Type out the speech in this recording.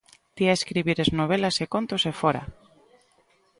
Ti a escribires novelas e contos e fóra!